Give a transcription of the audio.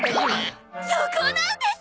そこなんです！